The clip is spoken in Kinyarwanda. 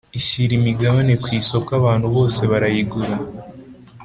Ishyira imigabane ku isoko abantu bose barayigura